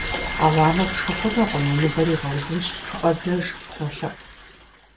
А гъуамэр пшхы хъунукъым уи ныбэр игъэузынщ, хыфӀэдзэж, сынолъэӀу.